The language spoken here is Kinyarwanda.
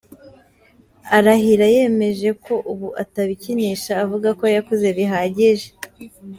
Arahira yemeje ko ubu atabikinisha avuga ko yakuze bihagije.